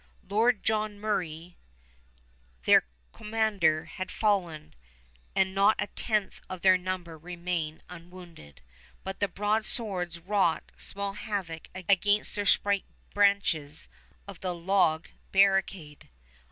Lord John Murray, their commander, had fallen, and not a tenth of their number remained unwounded; but the broadswords wrought small havoc against the spiked branches of the log barricade.